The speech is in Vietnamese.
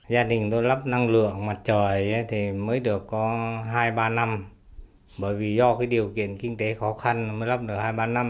gia đình tôi lắp năng lượng mặt trời thì mới được có hai ba năm bởi vì do điều kiện kinh tế khó khăn mới lắp được hai ba năm